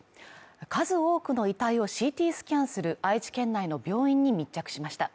数多くの遺体をＣＴスキャンする愛知県内の病院に密着しました。